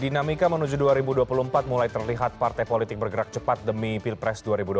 dinamika menuju dua ribu dua puluh empat mulai terlihat partai politik bergerak cepat demi pilpres dua ribu dua puluh